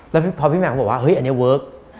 แล้วพอพี่แมนก็บอกว่าเฮ้ยอันนี้เวิร์ค